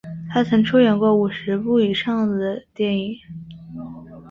他曾出演过五十部以上的电影。